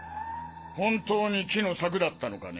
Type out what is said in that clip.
本当に木の柵だったのかね？